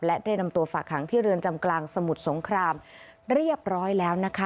และได้นำตัวฝากหางที่เรือนจำกลางสมุทรสงครามเรียบร้อยแล้วนะคะ